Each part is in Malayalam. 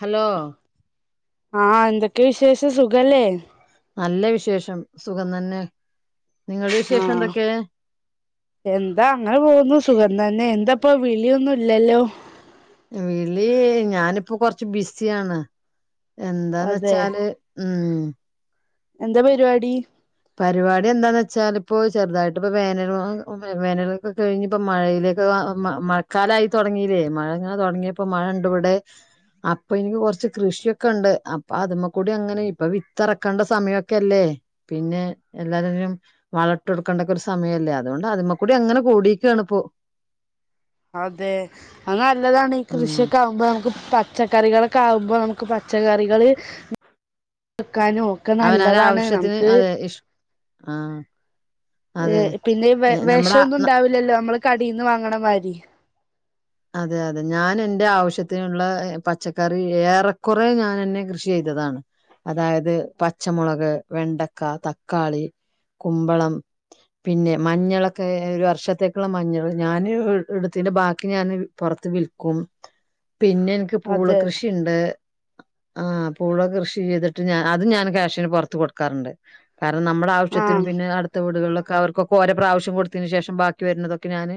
ഹലോ ആ എന്തൊക്കെ വിശേഷം സുഖല്ലേ നല്ല വിശേഷം സുഖം തന്നെ നിങ്ങളുടെ ആ വിശേഷം എന്തൊക്കെ എന്താ അങ്ങനെ പോകുന്നു സുഖം ന്നന്നെ എന്താപ്പം വിളിയൊന്നുല്ലല്ലോ വിളി ഞാനിപ്പോ കൊർച്ച് ബിസ്യായാണ് അതെ എന്താന്നെച്ചാല് ഉം എന്താ പരിപാടി പരുപാടി എന്താന്നെച്ചാല് പ്പോ ചെർതായിട്ട് പ്പൊ വേനലും വേനലൊക്കെ കയ്ഞ്പ്പ മഴയിലേക്കക മ മഴക്കാലായി തൊട്ങ്ങിലെ മഴങ്ങനെ തൊട്ങ്ങ്യയപ്പം മഴണ്ട് ബടെ അപ്പൻക്ക്‌ കൊർച്ച് കൃഷിയൊക്കണ്ട് അപ്പം അത്മ്മക്കൂട്യങ്ങനെ ഇപ്പവിത്തറക്കണ്ട സമായൊക്കല്ലേ പിന്നെ എല്ലാര് രും വളട്ടൊട്ക്കണ്ടക്കൊരു സമയല്ലേ അതുകൊണ്ട് അതിമേക്കൂടി അങ്ങനെ കൂടിക്കാണ് പ്പോ അതെ അത് നല്ലതാണ് ഈ ഉം കൃഷിയൊക്കെ ആകുമ്പോ നമുക്ക് പ ച്ചക്കറികളൊക്കെ ആകുമ്പോ നമുക്ക് പച്ചക്കറികള് വെക്കാനും ഒക്കെ അവനവന് നല്ലതാണ് ആവശ്യത്തിന് നമുക്ക് അതെ ഇഷ് ആ ഏ അതെ പിന്നെ ഈ വെ ഏ, നമ്മുടെ വെഷോന്നും ന- ഉണ്ടാവില്ലല്ലോ നമ്മള് കടേന്ന് വാങ്ങണ മാരി. അതെ അതെ ഞാൻ എന്റെ ആവശ്യത്തിനുള്ള പച്ചക്കറി ഏറെക്കുറെ ഞാൻെന്നെ കൃഷി ചെയ്തതാണ്, അതായത് പച്ചമുളക്, വെണ്ടക്ക, തക്കാളി, കുമ്പളം പിന്നെ മഞ്ഞളൊക്കെ ഒരു വർഷത്തേക്കുള്ള മഞ്ഞൾ ഞാൻ എടുത്തിന്റെ ബാ ക്കി ഞാന് പൊറത്ത് വിൽക്കും. പിന്നെ എനിക്ക് പൂള അതെ കൃഷിയിണ്ട്. ആ പൂള കൃഷി ചെയ്തിട്ട് ഞാൻ അതും ഞാൻ കാഷിന് പുറത്ത് കൊടുക്കാറുണ്ട്. കാരണം നമ്മളാവശ്യത്തിനും ആഹ് പിന്നെ അട്ത്ത വീട്കള്ളോ കവർകൊക്കോ ഓരൊ പ്രാവശ്യം കൊടുത്തേന് ശേഷം ബാക്കി വര്നതൊക്കെ ഞാന്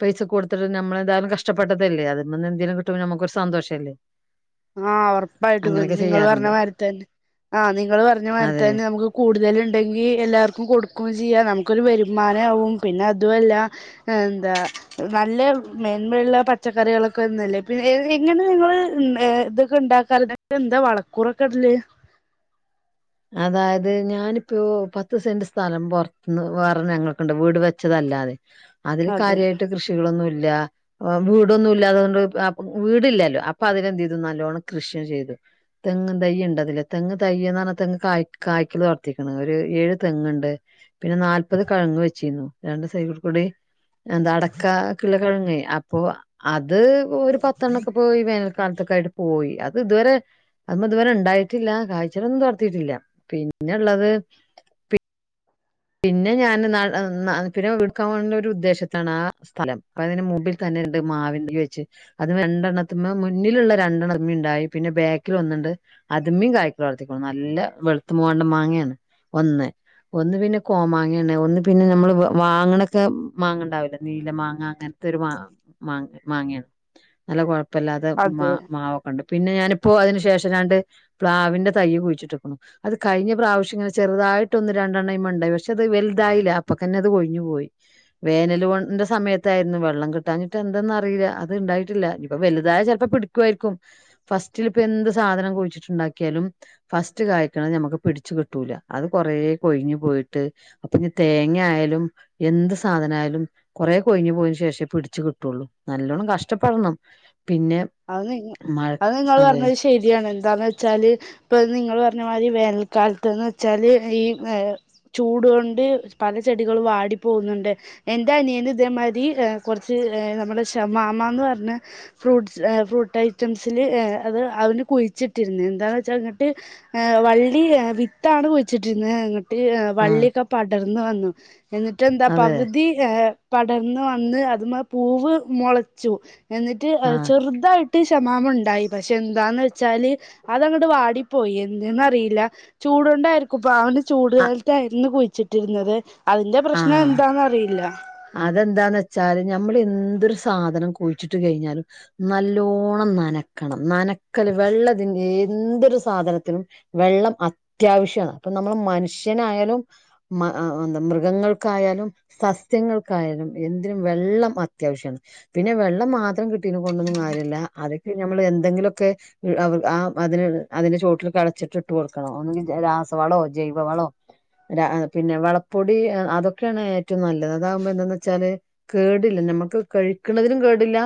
പൈസക്ക് കൊടുത്തത് ൾ നമ്മളേതായാലും കഷ്ടപ്പെട്ടതല്ലേ അതില് നിന്ന് എന്തേലും കിട്ട്മ്പോ നമ്മക്കൊര് സന്തോഷല്ലേ ആഹ് ഒറപ്പായിട്ടും വെൻ അങ്ങനെയൊക്കെ നിങ്ങള് ചെയ്യാറുണ്ട് പറ്ഞ്ഞമാരി തന്നെ ആഹ് നിങ്ങള് പറ്ഞ്ഞമാരി അതെ തന്നെ നമുക്ക് കൂടുതല് ഇ ണ്ടെങ്കി എല്ലാർക്കും കൊടുക്കും ചെയ്യാ നമുക്കൊര് വരുമാനാവും പിന്നെ അതുവല്ലാ എന്താ നല്ല മേന്മയുള്ള പച്ചക്കറികളൊക്കെ ഒന്നല്ലേ പിന്നെ ഏഹ് എങ്ങനെ ഇങ്ങള് ഉം ഏഹ് ഇതൊക്കെ ഇണ്ടാക്കാല് പിന്നെ തിലെന്താ വളക്കൂറൊക്കെ ഇട്ല് അതായത് ഞാന്പ്പോ പത്ത് സെന്റ് സ്ഥലം പൊറത്ത്ന്ന് വേറെ ഞങ്ങൾക്ക്ണ്ട് വീട് വെച്ചതല്ലാതെ അതില് അതെ കാര്യയായിട്ട് കൃഷികളൊന്നുല്ലാ വാം വീടൊന്നും ഇല്ലാതത് കൊണ്ട് ആ പു വീട്ല്ലല്ലോ അപ്പൊ അതിലെന്തെയ്തു നല്ലോണ്ണം കൃഷിയാ ചെയ്തു. തെങ്ങൻ തയ്യ് ഇണ്ടതില് തെങ്ങ് തയ്യ്ന്ന് പറ്ഞ്ഞാ തെങ്ങ് കായ് കായ്ക്ക്ലോട്ത്തീക്ക്ണ് ഒര് ഏഴ് തെങ്ങ്ണ്ട് പിന്നെ നാല്പത് കഴങ്ങ് വെച്ചീരുന്നു രണ്ട് സൈല്ൽ കൂടി എന്താ അടക്കാക്ക്ള്ളെ കെഴങ്ങേ അപ്പോ അ ത്പ്പോ ഒരു പത്തെണ്ണൊക്കെ പോയി വേനൽ കാലത്തൊക്കായിട്ട് പോയി അത് ഇതുവരെ അഹ് ഒന്നും ഇതുവരെ ഇണ്ടായിട്ടില്ല കായ്ചകലൊന്നും തൊട് ത്തിട്ടില്ല പിന്നെള്ളത് പി പിന്നെ ഞാന് ന്നാള് ആ ഇന്ന പിന്നെ ഇട്ക്കാ മാണ്ടിയൊരു ഉദ്ദേശത്താണ് ആ സ്ഥലം. ഇപ്പ അതിന്ന് മുമ്പി തന്നെ രണ്ട് മാവിൻ തൈ വെച്ച് അത് മേ രണ്ടെണ്ണത്ത്മ്മെ മുന്നില്ള്ള രണ്ടെണ്ണത്തമ്മീ ഇണ്ടായി പിന്നെ ബാക്കിലൊന്ന്ണ്ട് അത് മ്മീം കായ്ക്കലോട്ത്തീക്ക്ണു. നല്ല വെള്ത്ത മൂവാണ്ടൻ മാങ്ങേണ്. ഒന്ന് ഒന്ന് പിന്നെ കോമാങ്ങന്നെ ഒന്ന് പിന്നെ നമ്മള് വ വാങ്ങണൊക്കെ മാങ്ങണ്ടാവില്ലെ നീല മാ ങ്ങ അങ്ങൻത്തൊര് മാ മാങ്ങേ മാങ്ങേണ് നല്ല കൊഴ പ്പല്ലാതെ അത് മാ മാവൊക്കെണ്ട് പിന്നെ ഞാനിപ്പോ അതിന് ശേഷം രണ്ട് പ്ലാവിന്റെ തയ്യ് കുഴിട്ടേക്കണു അത് കഴിഞ്ഞ പ്രാവശ്യ ഇങ്ങനെ ചെറുതായിട്ട് ഒന്ന് രണ്ടെണ്ണ ഇണ്ടായി പക്ഷെ പക്ഷെ അത് വല്തായില്ല അപ്പൊ തന്നെ അത് കൊഴിഞ്ഞു പോയി വേനലിന്റെ സമയത്തായിരുന്നു വെള്ളം കിട്ടാഞ്ഞിട്ട് എന്തന്നറിയില്ല അത് ഇണ്ടായിട്ടില്ലപ്പ വലുതായ ചിലപ്പോ പിടിക്കുായിരിക്കും ഫസ്റ്റിലിപ്പ എന്ത് സാധനം കുഴിച്ചിട്ടുണ്ടാക്കിയാലും ഫസ്റ്റ് കായ്ക്കണ ഞമുക്ക് പിടിച്ചു കിട്ടൂല അത് കൊറേ കൊഴിഞ്ഞു പോയിട് ട്ട് അപ്പൊ ഇനി തേങ്ങ ആയാലും എന്ത് സാധന ആയാലും കൊറേ കൊഴിഞ്ഞ് പോയതിന് ശേഷേ പിടിച്ചു കിട്ടുള്ളൂ നല്ലോണം കഷ്ടപ്പെടണം പിന്നെ അത് നിങ്ങ മഴ അത് നിങ്ങള് അതെ പറഞ്ഞത് ശരിയാണ് ന്താന്ന് വെച്ചാല് ഇപ്പ നിങ്ങള് പറഞ്ഞ മാതിരി വേനൽക്കാലത്ത്ന്ന് വെച്ചാൽ ഈ ചൂടുകൊണ്ട് പല ചെടികൾ വാടി പോകുന്നുണ്ട് എൻ്റെ അനിയന് ഇതേമാതിരി കുറച്ച് നമ്മുടെ ശെ മാമാന്ന് പറഞ്ഞ ഫ്രൂട്ട് ഫ്രൂട്ട് ഐറ്റംസിൽ അത് അവന് കുഴിച്ചിട്ടിരുന്ന് എന്താന്ന് വെച്ചാൽ അങ്ങ്ട്ട് വള്ളി വിത്താണ് കുഴിച്ചിട്ടിരുന്നത് അങ്ങട് ര് ആഹ് വള്ളിക്കെ പടർ അന്ന് വന്നു എന്നിട്ട് എന്താ അതെ പകുതി ഏഹ് പടർന്ന് വന്ന് അതിമ്മേ പൂവ് മുളച്ചു എന്നിട്ട് ആഹ് മായിട്ട് ഷമാമ് ഇണ്ടായി പക്ഷെ എന്താന്ന് വെച്ചാല് അതങ്ങട്ട് വാടിപ്പോയി എന്ത്ന്നറിയില്ല ചൂടുണ്ടായിരിക്കും അപ്പ അവന് ചൂട് അ കാലത്തായിരുന്നു കു വച്ചിട്ടിരുന്നത് അതിന്റെ പ്രശ്നം ആഹ് എന്താന്ന് അറിയില്ല അതെന്താന്ന് വെച്ചാല് ഞമ്മള് എന്തൊരു സാധനം കുഴിച്ചിട്ട് കഴിഞ്ഞാലും നല്ലോണ്ണം നനക്കണം നന ക്കല് വെള്ളദിൻ്റേ എന്തൊരു സാധനത്തിനും വെള്ളം അത്യാവശ്യമാണ്, അപ്പ നമ്മള് മനുഷ്യനായാലും മ അ എന്ത മൃഗങ്ങൾക്കായാലും സസ് സ്യങ്ങൾക്കായാലും എന്തിനും വെള്ളം അത്യാവശ്യാണ്, പിന്നെ വെള്ളം മാത്രം കിട്ടിയതിനെ കൊണ്ടൊന്നും കാര്യല്ല, അതൊക്കെ നമ്മള് എന്തെങ്കിലൊക്കെ മ് ആ അതിന് അതിന്റെ ചോട്ടില് കളച്ചിട്ട് ഇട്ട് കൊടുക്കണം, [unintelligible] രാസവളോ ജൈവ വളോ രാ പിന്നെ വളപ്പൊടി അതൊക്കെയാണ് ഏറ്റവും നല്ലത്. അതാകുമ്പോ എന്താന്ന് വെച്ചാല് കേടില്ല, നമ്മക്ക് കഴിക്കുന്നതിനും കേടില്ല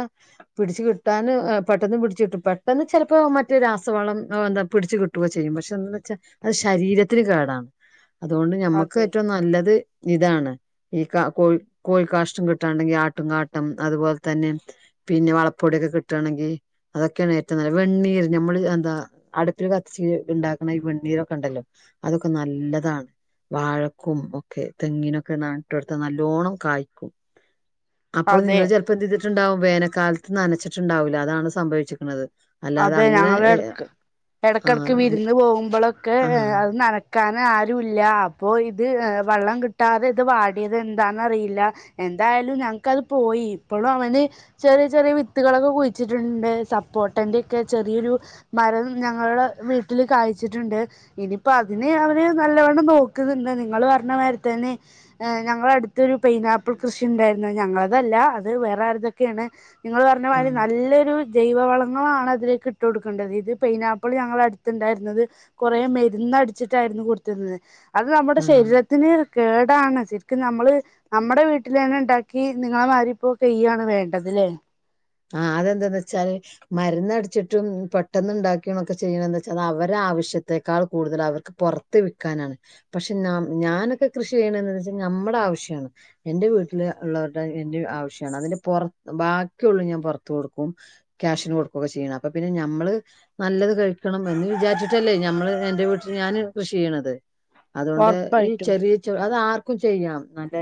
പിടിച്ചു കിട്ടാന് പെട്ടെന്ന് പിടിച്ചു കിട്ടും പെട്ടെന്ന് ചെലപ്പോ മറ്റേ രാസവളം എന്താ പിടിച്ചു കിട്ടുക ചെയ്യും, പക്ഷേ എന്താന്ന് വെച്ചാ അത് ശരീരത്തിന് കേടാണ്. അതുകൊണ്ട് ഞമ്മക്ക് അതെ ഏറ്റവും നല്ലത് ഇതാണ്. ഈ ക കോഴി കോഴിക്കാഷ്ടം കിട്ടുകയാണെങ്കിൽ ആട്ടും കാട്ടം അതുപോലെ തന്നെ പിന്നെ വളപ്പൊടിയൊക്കെ കിട്ടുയാണെങ്കി അതൊക്കെയാണ് ഏറ്റവും നല്ല വെണ്ണീര് ഞമ്മള് എന്താ അടുപ്പിൽ കത്തിച്ച് ഇണ്ടാക്കണ ഈ വെണ്ണീരൊക്കെ ഇണ്ടല്ലോ അതൊക്കെ നല്ലതാണ് വാഴക്കും ഒക്കെ തെങ്ങിനൊക്കെ നട്ടടുത്ത നല് ല്ലോണം കായ്ക്കും. അപ്പ അതെ നിങ്ങൾ ചെലപ്പോ എന്ത് [unintelligible] ട്ടുണ്ടാവും വേനക്കാലത്ത് നനച്ചിട്ടുണ്ടാവൂല്ല അതാണ് സംഭവിച്ചിക്കണത്. അല്ലാതെ അതെ അങ്ങനെ ഞങ്ങടെ ഏ, എടക്ക് ആ എടക്കെടക്ക് നി- വിരുന്ന് പോകുമ്പളോക്കെ ആ അത് നന ക്കാൻ ആരുല്ല, അപ്പോ ഇത് ഏ വള്ളം കിട്ടാതെ ഇത് വാടിയത് എന്താന്നറിയില്ല, എന്തായാലും ഞങ്ങ്ക്ക് അത് പോയി, ഇപ്പോഴും അവന് ചെറിയ ചെറിയ വിത്തുകളൊക്കെ കുഴിച്ചിട്ടുണ്ട്, സപ്പോ ട്ടന്റെ ഒക്കെ ചെറിയൊരു മരം ഞങ്ങളുടെ വീട്ടില് കായ്ച്ചിട്ടുണ്ട്, ഇനിപ്പോ അതിന് അവര് നല്ലവണ്ണം നോക്കുന്നുണ്ട്, നിങ്ങള് പറഞ്ഞ മാതിരിത്തന്നെ ഏ ഞങ്ങള അടുത്തൊരു പൈനാപ്പിൾ കൃഷി ഇണ്ടായിരുന്നു, ഞങ്ങളതല്ല അത് വേറെ ആരുതൊക്കെയാണ്. നിങ്ങള് പറഞ്ഞ ആ മാതിരി നല്ലൊരു- ജൈവ വളം [unintelligible] അതിലേക്ക് ഇട്ടു കൊടുക്കേണ്ടത് ഇത് പൈനാപ്പിൾ ഞങ്ങടെ അടുത്തണ്ടായിരുന്നത് കൊറേ മരുന്നടിച്ചിട്ടാണ് കൊടുത്തിരുന്നത് അത് നമ്മുടെ ആ ശരീരത്തിന്- കേടാണ് ശരിക്കും നമ്മള് നമ്മുടെ വീട്ടിൽ തന്നെ ഉണ്ടാക്കി നിങ്ങളെ മാരിപ്പോ ചെയ്യാണ് വേണ്ടത് ഇല്ലേ ആ അതെന്താെന്ന് വെച്ചാല് മരുന്നടിച്ചിട്ടും പെട്ടെന്നു ഉണ്ടാക്കിയണൊക്കെ ചെയ്യണ എന്ന് വച്ചാൽ അവരുടെ ആവശ്യത്തെേക്കാൾ കൂടുതൽ അവർക്ക് പുറത്ത് വിൽക്കാനാണ് പക്ഷെ ഞാനൊക്കെ കൃഷി ചെയ്യണന്ന് വെച്ചാ നമ്മുടെ ആവശ്യമാണ് എന്റെ വീട്ടില് ഉള്ളവരുടെ എന്റെയും ആവശ്യമാണ് അതിന്റെ പുറ ബ- ഒക്കെള്ളൂ ഞാൻ പുറത്ത് കൊടുക്കും ക്യാഷിന് കൊടുക്കുകൊക്കെ ചെയ്യണം അപ്പ പിന്നെ നമ്മള് നല്ലത് കഴിക്കണം എന്ന് വിചാരിച്ചിട്ടല്ലേ നമ്മള് എന്റെ വീട്ടിൽ ഞാന് കൃഷി ചെയ്യണത് അതുകൊണ്ട് ഈ ഉറപ്പായിട്ടും. ചെറിയ ചെ അത് ആർ- ചെയ്യാം നല്ല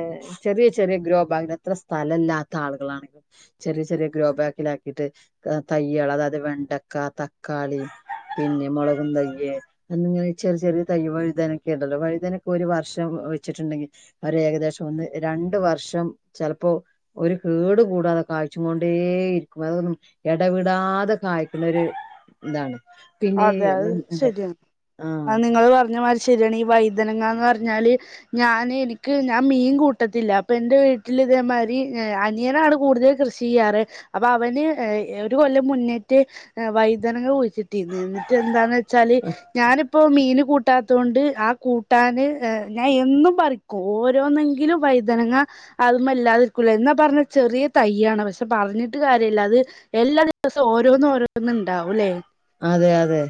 ചെറിയ ചെറിയ ഗ്രോബാഗിനെ എത്ര സ്ഥലം ഇല്ലാത്ത ആളുകളാണെങ്കിലും ചെറിയ ചെറിയ ഗ്രോബാഗിലാക്കിട്ട് തൈകൾ അതായത് വെണ്ടക്ക തക്കാളി പിന്നെ മുളകും തൈയ് അങ്ങനെ ചെറിയ ചെറിയ തൈയ് വഴുതനൊക്കെ ഉണ്ടല്ലോ വഴുതനൊക്കെ ഒരു വർഷം വെച്ചിട്ടുണ്ടെങ്കിൽ അവര് ഏകദേശം ഒന്ന് രണ്ട് വർഷം ചിലപ്പോ ഒരു കേട് കൂടാതെ - കായ്ച്ച് കൊണ്ടേ ഇരിക്കും അതൊന്നും എടവിടാതെ കായ്ക്കുന്നരു ഇതാണ് പിന്നെ അതെ അത് ഉം, എന്താ ശരിയാണ് ആ അ നിങ്ങൾ പറഞ്ഞ മാതിരി ശരിയാണ് ഈ വഴുതനങ്ങന്ന് പറഞ്ഞാല് ഞാന് എനിക്ക് ഞാൻ മീൻ കൂട്ടത്തില്ല അപ്പൊ എന്റെ വീട്ടിൽ ഇതേമാതിരി അനിയനാണ് കൂടുതൽ കൃഷി ചെയ്യാറ് അപ്പൊ അവന് ഒരു കൊല്ലം മുന്നേറ്റ്് വൈതനങ്ങ കുഴിച്ചിട്ട- എന്നിട്ട് എന്താന്ന് വെച്ചാല് ഞാനിപ്പോ മീ - മീന് കൂട്ടാത്തോണ്ട് ആ കൂട്ടാന് ഞാൻ എന്നും പറിക്കും ഓരോന്നെങ്കിലും വഴുതങ്ങ അതുമല്ലാതിരിക്കൂല്ല എന്നാ പറഞ് ചെറിയ തൈയ് ആണ് പക്ഷെ പറഞ്ഞിട്ട് കാര്യമില്ല അത് എല്ലാ ദിവസവും ഓരോന്നും ഓരോന്നും ഉണ്ടാവൂല്ലേ അതെ അതെ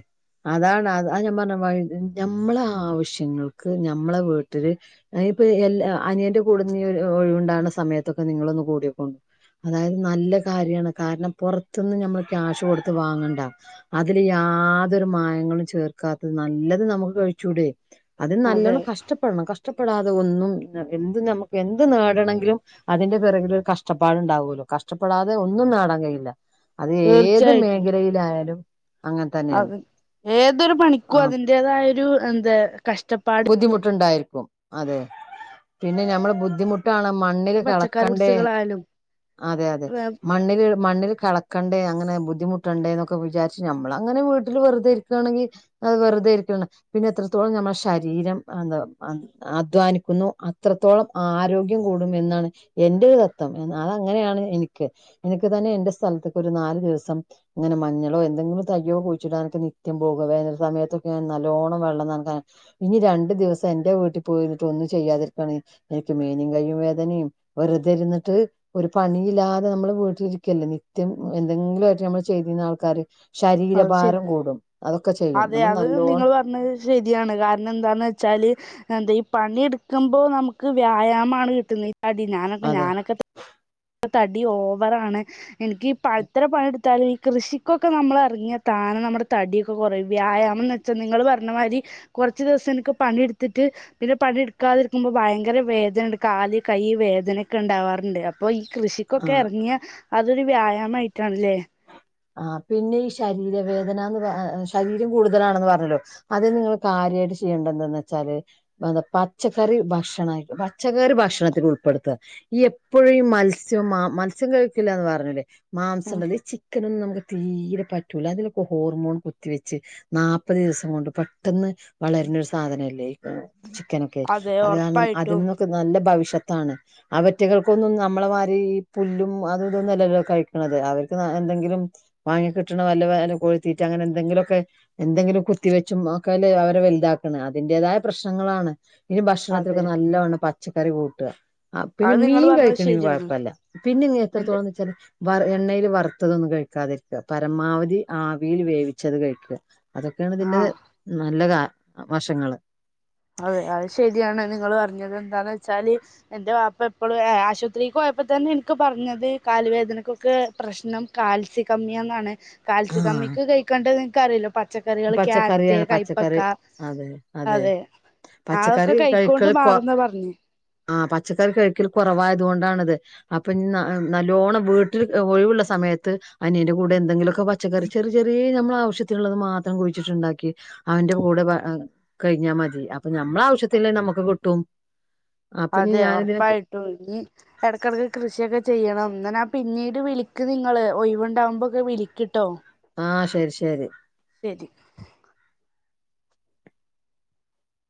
അതാണ് അതാ ഞാൻ പറഞ്ഞി നമ്മളെ ആവശ്യങ്ങൾക്ക് ഞമ്മളെ വീട്ടില് ഇപ്പൊ എല്ല അനിയറെ കൂടെന്ന്ീ ഒരു ഒഴിവുണ്ടാുന്ന സമയത്തൊക്കെ നിങ്ങളൊന്ന് കൂടക്കൊണ്ടു അതായത് നല്ല കാര്യമാണ് കാരണം പുറത്തുന്ന് നമ്മൾ ക്യാഷ് കൊടുത്ത് വാങ്ങണ്ട അതില് യാതൊരു മായങ്ങളും ചേർക്കാത്തത് നല്ലത് നമുക്ക് കഴിച്ചൂടെ അത് അതെ നല്ലവണം കഷ്ടപ്പെടണം കഷ് - കഷ്ടപ്പെടാതെ ഒന്നും എന്ത് നമുക്ക് എന്ത് നേടണെങ്കിലും അതിന്റെ പിറകിൽ ഒരു കഷ്ടപ്പാടുണ്ടാാവുമല്ലോ കഷ്ടപ്പെടാതെ ഒന്നും നേടാൻ കഴിയില്ല അത് ഏത് തീർച്ചയായിട്ടും മേഖലയിലായാലും അങ്ങനെ തന്നെയാണ് അത് ഏതൊരു ആ പണിക്കും അതിന്റേതായൊരു അന്ത ബുദ്ധിമുട്ടുണ്ടായിരിക്കും അതെ പിന്നെ നമ്മള് ബുദ്ധിമുട്ടള മണ്ണില് പച്ചക്കറി കളക്കണ്ടേ കുടിസുകളായാലും അതെ അതെ മണ്ണില് മണ്ണിൽ കള ക്കണ്ടേ അങ്ങനെ ബുദ്ധിമുട്ടണ്ടേ ന്നൊക്കെ വിചാരിച്ച് നമ്മളങ്ങനെ വീട്ടിൽ വെറുതെ ഇരിക്കാണെങ്കിൽ അഹ് വെറുതെ ഇരിക്ക പിന്നെ എത്രത്തോളം നമ്മുടെ ശരീരം അ എന്താ അധ്വാനിക്കുന്നു അത്രത്തോളം ആരോഗ്യം കൂടും മെന്നാണ് എന്റെ ഒരു തത്വം അതങ്ങനെയാണ് എനിക്ക് എനിക്ക് തന്നെ എന്റെ സ്ഥൽത്ത്ക്ക് ഒരു നാല് ദിവസം ഇങ്ങനെ മഞ്ഞളോ എന്തെങ്കിലും തയ്യോ കുഴിച്ചിടാനൊക്കെ നിത്ത്യം പോക വേനൽ സമയത്തൊക്കെ ഞൻ നല്ലോണ്ണം വെള്ളം നൻക്കാൻ ഇനി രണ്ടു ദിവസം എന്റെ വീട്ടിൽ പോയിട ഒന്നും ചെയ്യാതിരിക്കാണ് എനിക്ക് മേനിയും കയും വേദനെം വെറുതെ ഇരുന്നിട്ട് ഒരു പണിയില്ലാതെ നമ്മള് വീട്ടിലിരിക്കല്ലെ നിത്യം എന്തെങ്കിലു ആയിട്ട് നമ്മൾ ചെയ്തിരുന്ന ആൾക്കാര് അത് ശരി ശരീരഭാരം കൂടും അതൊക് അതെ അത് നിങ്ങള് പറഞ്ഞത് ശരിയാണ് കാരണം എന്താന്ന് വെച്ചാല് എന്താ ഈ പണി ഇട്ക്കുമ്പോ നമുക്ക് വ്യായാമാണ് കിട്ടുന്ന അടി ഞാനൊക്കെ അതെ ഞാനൊക്കെ തടി ഓവറാണ് എൻക്കി പത്ര പണിയെടുത്താല് ഈ കൃഷിക്കൊക്കെ നമ്മൾ എറങ്ങിയാൽ താന നമ്മുടെ തട്യക്കെ കൊറയും വ്യായാമം എന്ന് വെച്ചാ നിങ്ങള് പറഞ്ഞ മാതിരി കൊറച്ച് ദിവസം എനിക്ക് പണിെട്ത്തിട്ട് പിന്നെ പണിെടുക്കാതിരിക്കുമ്പോ ഭയങ്കര വേദനുണ്ട് കാല് കൈ വേദനൊക്കെ ഉണ്ടാവാറുണ്ട് അപ്പൊ ഇ ആ കൃഷിക്കൊക്കെ എറങ്ങിയ അതൊരു വ്യായാമായിട്ടാണ്ല്ലേ ആഹ് പിന്നെ ഈ ശരീര വേദനാന്ന് പറ ശരീരം കൂടുതലാണെന്ന് പറഞ്ഞല്ലോ അത് നിങ്ങള് കാര്യായ്ട്ട് ചെയ്യണ്ടന്തന്ന ച്ചാല് എന്താ പച്ചക്കറി ഭക്ഷണ പച്ചക്കറി ഭക്ഷണത്തിൽ ഉൾപ്പെടുത്ത ഈ എപ്പഴും മത്സ്യം മത്സ്യം കഴിക്കില്ല എന്ന് പറഞ്ഞില്ലേ മാംസണ്ടല്ലൊ ഇചി ലൊന്നും നമുക്ക് തീരെ പറ്റൂല അതിലൊക്കെ ഹോർമോൺ കുത്തിവെച്ച് നാപത് ദിവസം കൊണ്ട് പെട്ടെന്ന് വളരുന്നരു സാധനല്ലേ ചിക്കനൊക്കെ അതെ അത് കാരണം അതിൽ ഉറപ്പായിട്ടും നിന്നൊക്കെ നല്ല ഭവിഷ്യത് ത്താണ് അവറ്റകൾക്കൊന്നും നമ്മളെ മാരി പുല്ലും അതൂതൊന്നല്ലല്ലോ കഴിക്ക്ണത് അവർക്ക് ന്നാ എന്തെങ്കിലും വാങ്ങി കിട്ടണ വല്ല വല്ല കോഴിത്തീറ്റ അങ്ങനെ എന്തെങ്കിലുമൊക്കെ എന്തെങ്കിലും കുത്തിവെച്ചും ഒക്കെെല്ല അവരെ വലുതാക്ക്ണ അതിൻ്റേതായ പ്രശ്നങ്ങളാണ് ഇ അതെ ഭക്ഷണത്തിലൊക്കെ നല്ലോണ്ണം പച്ച കറി കൂട്ട ആ പിന്നെ അത് നിങ്ങൾ മീൻ പറഞ്ഞത് കഴിക്ക്ണേന് ശരിയാണ് കൊഴപ്പല്ല പിന്നെ ഇ എന്റെ എത്രത്തോളംന്ന് വെച്ചാല് വറ് [unintelligible] എണ്ണേയിൽ വറത് അതൊന്നും കഴിക്കാതിരിക്ക പരമാവധി ആവീൽ വേവിച്ചത് കഴിക്ക അതൊക്കേണ് ആ ഇതിന്റെ നല്ല കാ വഷങ്ങള് അതെ അത് ശരിയാണ് നിങ്ങള് പറഞ്ഞത് എന്താന്ന് വെച്ചാല് എന്റെ വാപ്പ എപ്പളും ആശുപത്രീക്ക് പോയപ്പതന്നെ ഇൻക്ക് പറഞ്ഞത് കാലുവേദനക്കൊക്കെ പ്രശ്നം കാൽസ്യ കമ്മിയാ ന്നാണ് ആ കാൽസ്യകമ്മിക്ക് കഴിക്കെണ്ടത് കാറില്ലൊ പച്ചക്കറികൾ ക്യാരറ്റ് പച്ചക്കറിയാണ് കൈപ്പക്ക പച്ചക്കറി അതെ അതെ അഒക്കെ പച്ചക്കറി കൈകോണ്ട് കഴിക്കൽ കൊ മാറുന്ന പറ്ഞ്ഞേ ആഹ് പച്ചക്കറി കഴിക്കൽ കൊറവായതുകൊണ്ടാണത് അപ്പൊ അ നല്ലോണം വീട്ടിൽ ഒഴിവ്ള്ള സമയത്ത് അനിയന്റെ കൂടെ എന്തെങ്കിലും പച്ചക്കറി ചെറി ചെറ്യേ ഞമ്മ ആവശ്യത്തിന്ള്ളത് മാത പം കുഴിച്ചിട്ട്ണ്ടാക്കി അവന്റെ കൂടെ പ കഴിഞ്ഞാ മതി അപ്പ ഞമ്മള ആവശ്യത്തില്ലെ നമ്മുക്ക് കിട്ടും അപ്പൊ ഇനി അതെ ഞാനിതിനെ ഉറപ്പായിട്ടു ഇനി എടക്കെടക്ക് കൃഷിയൊക്കെ ചെയ്യണം. അങ്ങനാ പിന്നീട് വിളിക്കക്ക് നിങ്ങള് ഒഴിവുണ്ടാവുമ്പോക്കെ വിളിക്കിട്ടോ. ആഹ് ശരി ശരി. ശരി.